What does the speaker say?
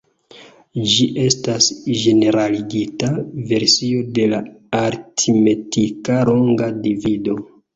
Ĝi estas ĝeneraligita versio de la aritmetika longa divido.